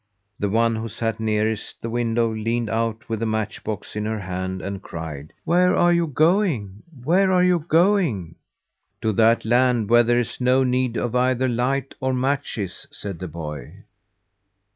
The one who sat nearest the window, leaned out with a match box in her hand, and cried: "Where are you going? Where are you going?" "To that land where there is no need of either light or matches," said the boy.